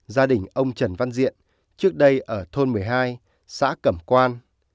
gia đình ông trần văn diện trước đây ở thôn một mươi hai xã cẩm quan